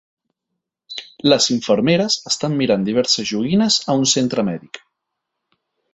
Les infermeres estan mirant diverses joguines a un centre mèdic.